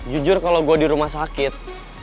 jujur kalau gue di rumah sakit